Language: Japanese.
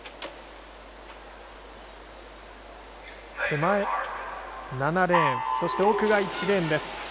手前７レーンそして奥が１レーンです。